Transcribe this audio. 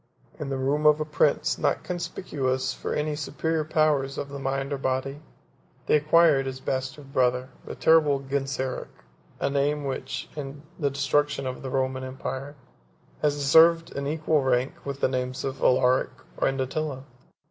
In the room of a prince not conspicuous for any superior powers of the mind or body, they acquired his bastard brother, the terrible Genseric; 13 a name, which, in the destruction of the Roman empire, has deserved an equal rank with the names of Alaric and Attila.